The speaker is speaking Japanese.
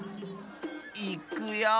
いくよ。